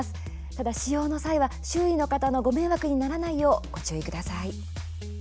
ただ、使用の際は周囲の方の迷惑にならないようご注意ください。